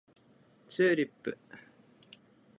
チューリップ